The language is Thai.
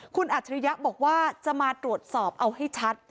คุณอัจฉริยะบอกว่าจะมาตรวจสอบเอาให้ชัด